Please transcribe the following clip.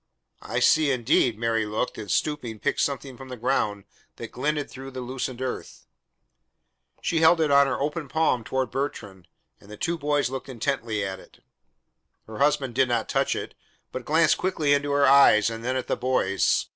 "I see indeed." Mary looked, and stooping, picked something from the ground that glinted through the loosened earth. She held it on her open palm toward Bertrand, and the two boys looked intently at it. Her husband did not touch it, but glanced quickly into her eyes and then at the boys.